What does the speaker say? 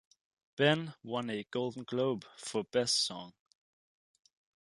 "Ben" won a Golden Globe for Best Song.